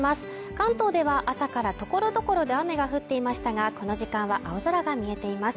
関東では朝からところどころで雨が降っていましたがこの時間は青空が見えています